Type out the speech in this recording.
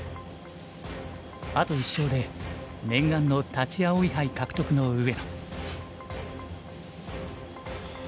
あと１勝で念願の立葵杯獲得の上野。